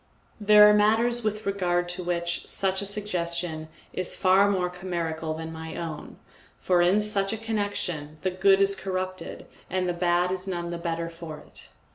There are matters with regard to which such a suggestion is far more chimerical than my own, for in such a connection the good is corrupted and the bad is none the better for it.